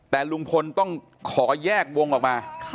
แต่ลุงพลต้องขอแยกวงออกมา